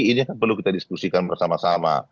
ini kan perlu kita diskusikan bersama sama